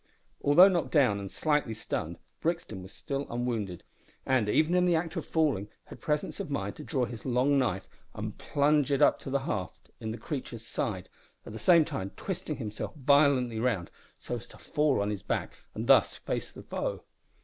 Although knocked down and slightly stunned, Brixton was still unwounded, and, even in the act of falling, had presence of mind to draw his long knife and plunge it up to the haft in the creature's side, at the same time twisting himself violently round so as to fall on his back and thus face the foe.